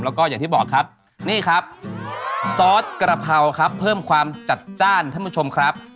แล้วก็อย่างที่บอกครับนี่ครับซอสกระเพราครับเพิ่มความจัดจ้านท่านผู้ชมครับ